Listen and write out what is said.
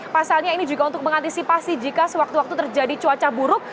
pasalnya ini juga untuk mengantisipasi jika sewaktu waktu terjadi cuaca buruk